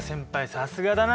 さすがだな。